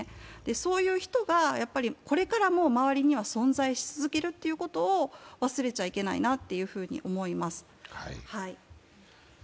そういう人がこれからも周りには存在し続けるということを忘れちゃいけないなと思います。